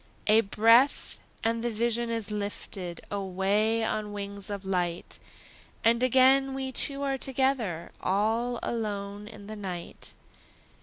A breath, and the vision is lifted Away on wings of light, And again we two are together, All alone in the night.